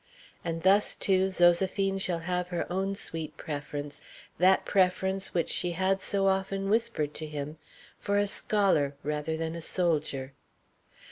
And thus, too, Zoséphine shall have her own sweet preference that preference which she had so often whispered to him for a scholar rather than a soldier.